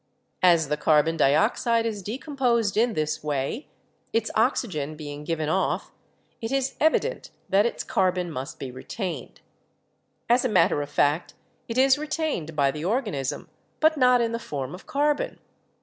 "As the carbon dioxide is decomposed in this way, its oxygen being given off, it is evident that its carbon must be retained. As a matter of fact, it is retained by the or ganism, but not in the form of carbon.